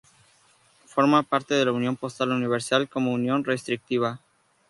Forma parte de la Unión Postal Universal como unión restrictiva.